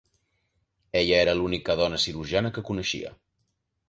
Ella era l"única dona cirurgiana que coneixia.